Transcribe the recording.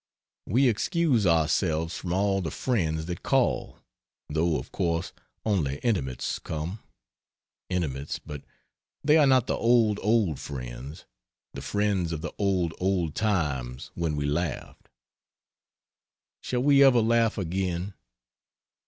We excuse ourselves from all the friends that call though of course only intimates come. Intimates but they are not the old old friends, the friends of the old, old times when we laughed. Shall we ever laugh again?